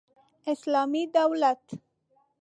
اسلامي دولت